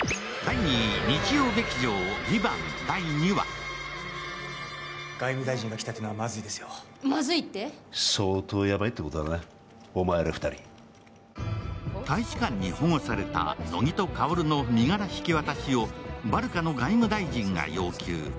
これを見た中居さんは、ＣＭ中に大使館に保護された乃木と薫の身柄引き渡しをバルカの外務大臣が要求。